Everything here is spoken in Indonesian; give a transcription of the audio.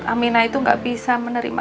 aminah itu gak bisa menerima